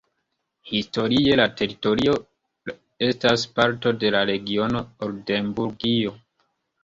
Historie la teritorio estas parto de la regiono Oldenburgio.